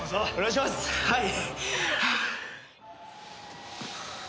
はい！